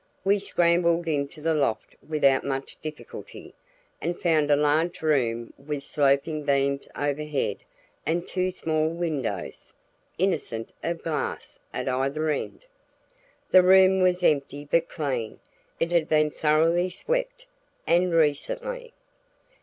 We scrambled into the loft without much difficulty, and found a large room with sloping beams overhead and two small windows, innocent of glass, at either end. The room was empty but clean; it had been thoroughly swept, and recently.